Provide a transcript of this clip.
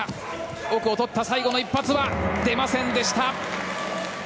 奥を取った最後の一発は出ませんでした。